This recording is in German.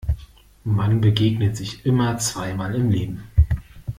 Man begegnet sich immer zweimal im Leben.